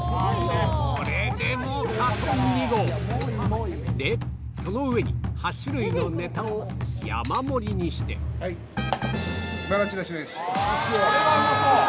これでもか！とでその上に８種類のネタを山盛りにしてはいばらちらしです。